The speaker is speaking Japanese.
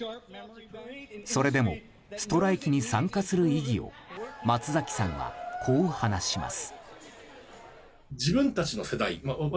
それでもストライキに参加する意義を松崎さんは、こう話します。